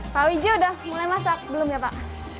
pak widjo sudah mulai masak belum ya pak